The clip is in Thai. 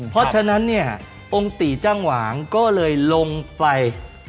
เพราะฉะนั้นเนี่ยองค์ติจ้างหวางก็เลยลงไป